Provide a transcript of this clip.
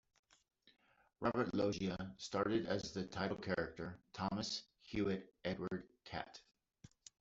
Robert Loggia starred as the title character, Thomas Hewitt Edward Cat.